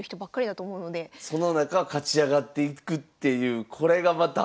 その中勝ち上がっていくっていうこれがまた。